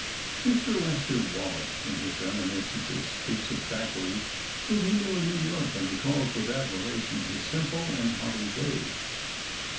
Mr. Lester Wallack in his reminiscences speaks of Thackeray, whom he knew in New York, and recalls with admiration his simple and hearty ways.